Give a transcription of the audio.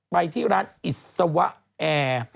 ไปที่ร้านอิสวะแอร์